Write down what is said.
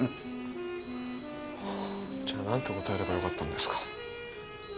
じゃあ何て答えればよかったんですか？